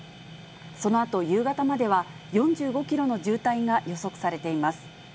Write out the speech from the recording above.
そのあと夕方までは４５キロの渋滞が予測されています。